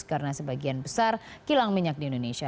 karena sebagian besar kilang minyak di indonesia